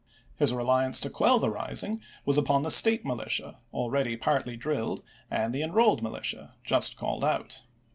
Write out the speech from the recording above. His reliance to quell the rising was upon the State Militia, already partly drilled, and the Enrolled Militia, just called out.